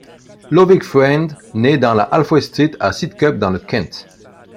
Lovick Friend naît dans Halfway Street à Sidcup dans le Kent.